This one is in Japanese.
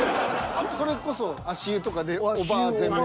それこそ足湯とかでおばあ全滅。